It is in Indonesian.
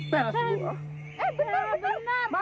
saya nggak berteman bang